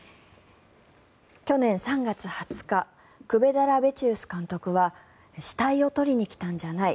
去年３月２０日クベダラビチウス監督は死体を撮りに来たんじゃない